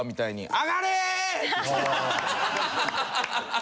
上がれ。